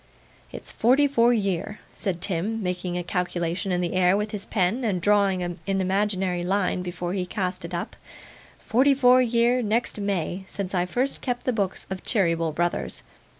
'It's forty four year,' said Tim, making a calculation in the air with his pen, and drawing an imaginary line before he cast it up, 'forty four year, next May, since I first kept the books of Cheeryble, Brothers.